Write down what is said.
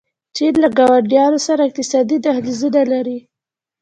چین له ګاونډیانو سره اقتصادي دهلیزونه لري.